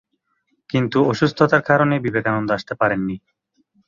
কিন্তু অসুস্থতার কারণে বিবেকানন্দ আসতে পারেননি।